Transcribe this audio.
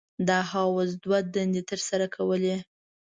دا حوض دوه دندې تر سره کولې.